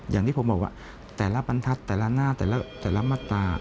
อย่างที่ผมบอกว่าแต่ละบรรทัศน์แต่ละหน้าแต่ละมาตรา